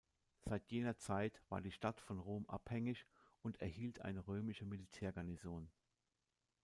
Seit jener Zeit war die Stadt von Rom abhängig und erhielt eine römische Militärgarnison.